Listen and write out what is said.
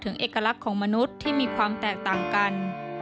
เอกลักษณ์ของมนุษย์ที่มีความแตกต่างกัน